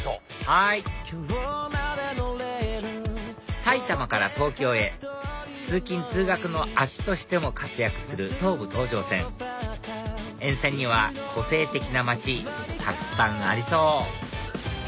はい埼玉から東京へ通勤通学の足としても活躍する東武東上線沿線には個性的な街たくさんありそう！